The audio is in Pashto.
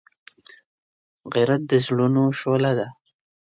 غیرت د زړونو شعله ده